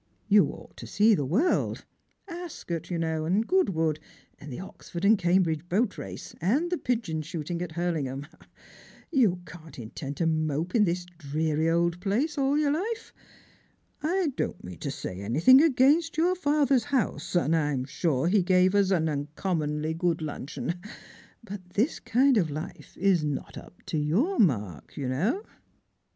"Sou ought to see the world — Ascot, you know, and Goodwood, and the Oxford and Cambridge boat race, and the pigeon shoot ing at Hurlingham. You can't intend to mope in this dreary old place all your life. I don't mean to say anything against your father's house, and I'm sure he gave us an uncommonly good luncheon ; but this kind of life is not up to your mark, you know."